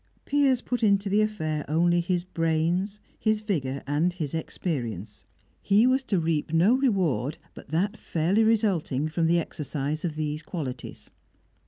Piers put into the affair only his brains, his vigour, and his experience; he was to reap no reward but that fairly resulting from the exercise of these qualities.